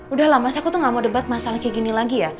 udah lah mas aku tuh gak mau debat masalah kayak gini lagi ya